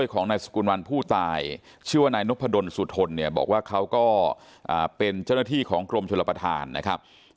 ของนายสกุลวันผู้ตายชื่อว่านายนพดลสุทนเนี่ยบอกว่าเขาก็เป็นเจ้าหน้าที่ของกรมชลประธานนะครับ